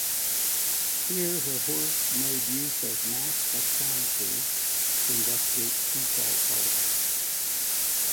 Here her work made use of mass spectrometry to investigate sea salt particles.